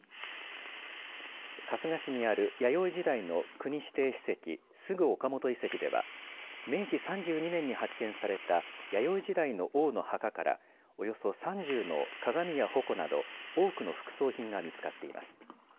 春日市にある弥生時代の国指定史跡、須玖岡本遺跡では明治３２年に発見された弥生時代の王の墓からおよそ３０の鏡や矛など多くの副葬品が見つかっています。